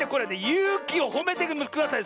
ゆうきをほめてください。